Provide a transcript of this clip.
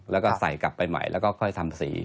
แล้วก็ใส่กลับไปใหม่แล้วก็ค่อยทำสี